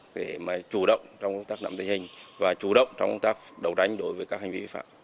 để mà chủ động trong công tác nắm tình hình và chủ động trong công tác đấu tranh đối với các hành vi vi phạm